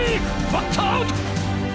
バッターアウト！